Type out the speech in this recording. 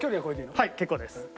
はい結構です。